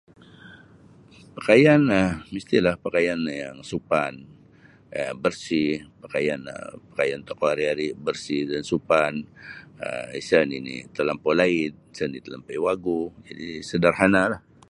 Pakaian um mestilah pakaian yang supan bersih um pakaian tokou ari ari bersih dan supan um isa nini talampau laid isa nini talampau wagu jadi sadarhana lah.